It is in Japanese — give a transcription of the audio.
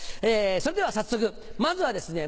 それでは早速まずはですね